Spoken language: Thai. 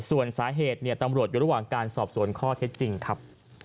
ส่วนสาเหตุตำรวจอยู่ระหว่างการสอบสวนข้อเท็จจริงครับ